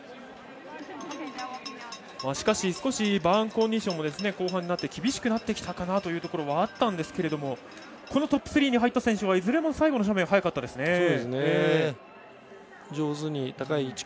しかし、少しバーンコンディションも後半になって厳しくなってきたかなというところもあったんですがこのトップ３に入った選手はいずれも最後の斜面速かったですね。